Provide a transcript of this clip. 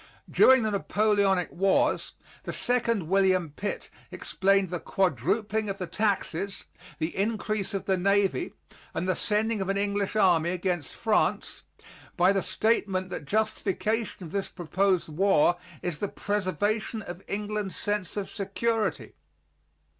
During the Napoleonic wars the second William Pitt explained the quadrupling of the taxes, the increase of the navy, and the sending of an English army against France, by the statement that justification of this proposed war is the "Preservation of England's sense of security."